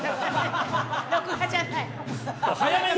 録画じゃない。